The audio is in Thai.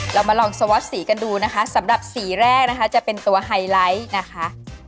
เรามาลองสวอตสีกันดูนะคะสำหรับสีแรกนะคะจะเป็นตัวไฮไลท์นะคะ